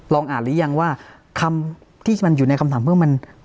อ่านหรือยังว่าคำที่มันอยู่ในคำถามเพิ่มมัน